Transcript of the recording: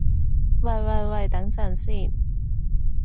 喂喂喂，等陣先